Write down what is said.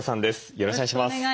よろしくお願いします。